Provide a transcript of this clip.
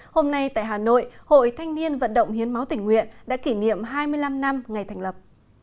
hôm nay tại hà nội hội thanh niên vận động hiến máu tỉnh nguyện đã kỷ niệm hai mươi năm năm ngày thành lập